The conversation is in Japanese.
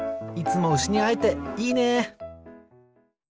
いつもウシにあえていいね。